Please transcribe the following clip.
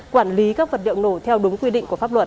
quản lý các vật liệu nổ theo đúng quy định của pháp luật